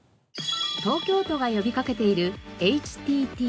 東京都が呼びかけている「ＨＴＴ」。